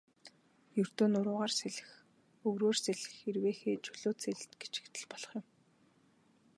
Ердөө нуруугаар сэлэх, өврөөр сэлэх, эрвээхэй, чөлөөт сэлэлт гэчихэд л болох юм.